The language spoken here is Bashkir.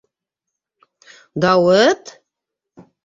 Дауыт?!